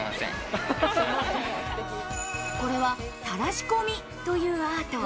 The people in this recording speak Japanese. これは、たらしこみというアート。